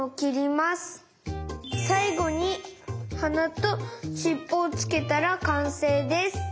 さいごにはなとしっぽをつけたらかんせいです。